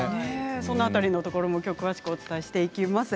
その辺りを詳しくお伝えしていきます。